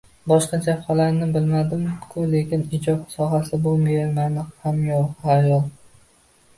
Boshqa jabhalarni bilmadim-ku, lekin ijob sohasida bu bema’ni xomxayol.